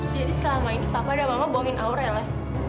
jadi selama ini papa dan mama buangin aurel ya